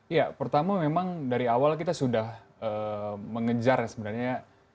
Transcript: ya pertama memang dari awal kita sudah mengejar sebenarnya